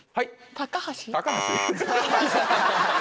「高橋」。